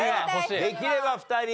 できれば２人。